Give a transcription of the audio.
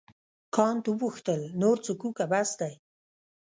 کانت وپوښتل نور څښو که بس دی.